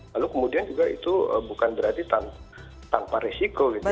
lalu kemudian juga itu bukan berarti tanpa risiko